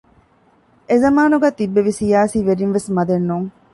އެޒަމާނުގައި ތިއްބެވި ސިޔާސީ ވެރިންވެސް މަދެއް ނޫން